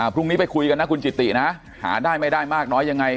พรุ่งนี้ไปคุยกันนะคุณจิตินะหาได้ไม่ได้มากน้อยยังไง